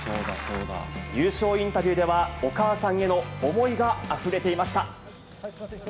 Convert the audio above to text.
優勝インタビューでは、お母さんへの思いがあふれていました。